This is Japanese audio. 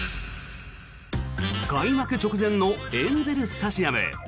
開幕直前のエンゼル・スタジアム。